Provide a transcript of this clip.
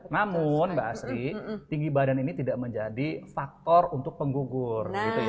namun mbak asri tinggi badan ini tidak menjadi faktor untuk penggugur